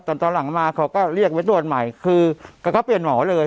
ตอนตอนหลังมาเขาก็เรียกไปตรวจใหม่คือเขาเปลี่ยนหมอเลย